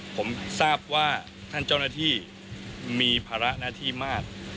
ผมทราบว่าท่านเจ้าหน้าที่มีภาระหน้าที่มาก